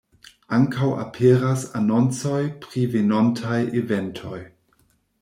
Ankaŭ aperas anoncoj pri venontaj eventoj.